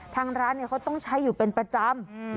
ทางร้านเขาต้องใช้อยู่เป็นประจำ